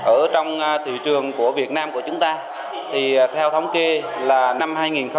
ở trong thị trường của việt nam của chúng ta thì theo thống kê là năm hai nghìn một mươi tám